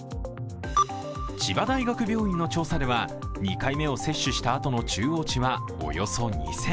千葉大学病院の調査では２回目を接種したあとの中央値はおよそ２０００。